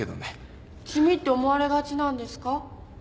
地味って思われがちなんですか？